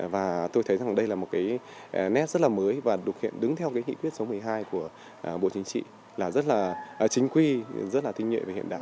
và tôi thấy đây là một nét rất mới và được hiện đứng theo nghị quyết số một mươi hai của bộ chính trị là rất chính quy rất tinh nhuệ về hiện đại